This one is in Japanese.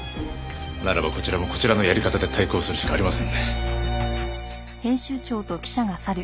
ならばこちらもこちらのやり方で対抗するしかありませんね。